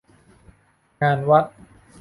งานวัด